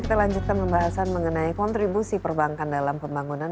kita lanjutkan pembahasan mengenai kontribusi perbankan dalam pembangunan